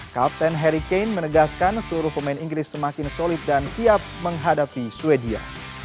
kapten harry kane menegaskan seluruh pemain inggris semakin solid dan siap menghadapi sweden